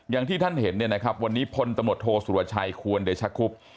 อย่างที่ท่านเห็นเนี่ยนะครับวันนี้พลตำรวจโทษสุรชัยควรเดชคุบ